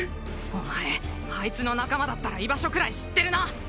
お前あいつの仲間だったら居場所くらい知ってるな！